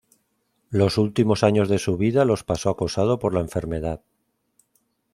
Los últimos años de su vida los pasó acosado por la enfermedad.